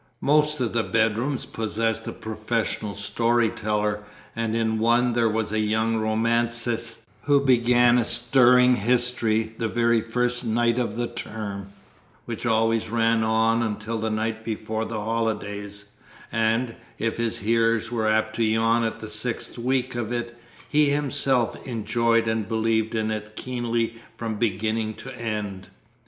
Most of the bedrooms possessed a professional story teller, and in one there was a young romancist who began a stirring history the very first night of the term, which always ran on until the night before the holidays, and, if his hearers were apt to yawn at the sixth week of it, he himself enjoyed and believed in it keenly from beginning to end.